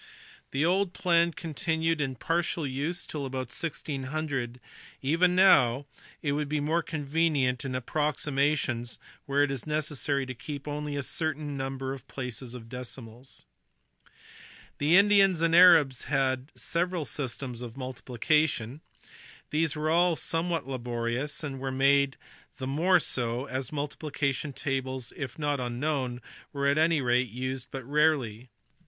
The old plan continued in partial use till about 1600; even now it would be more convenient in approximations where it is necessary to keep only a certain number of places of decimals. The Indians and Arabs had several systems of multipli cation. These were all somewhat laborious, and were made the more so as multiplication tables if not unknown were at any rate used but rarely.